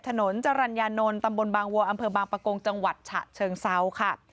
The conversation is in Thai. ถนนจรรยานนท์ตำบลบางวัวอำเภอบางปะโกงจังหวัดฉะเชิงเซาค่ะ